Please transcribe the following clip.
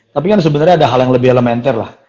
tapi kan sebenarnya ada hal yang lebih elementer lah